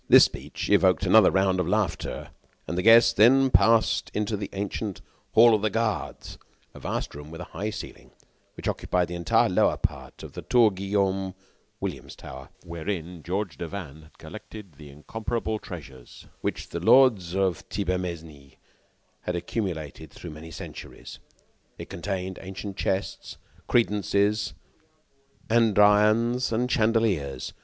This speech evoked another round of laughter, and the guests then passed into the ancient "Hall of the Guards," a vast room with a high ceiling, which occupied the entire lower part of the Tour Guillaume William's Tower and wherein Georges Devanne had collected the incomparable treasures which the lords of Thibermesnil had accumulated through many centuries. It contained ancient chests, credences, andirons and chandeliers.